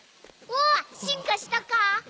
おー進化したか？